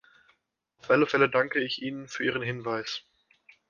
Auf alle Fälle danke ich Ihnen für Ihren Hinweis.